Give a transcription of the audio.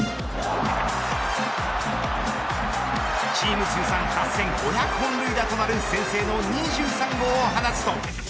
チーム通算８５００本塁打となる先制の２３号を放つと。